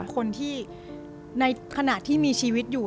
คนที่ในขณะที่มีชีวิตอยู่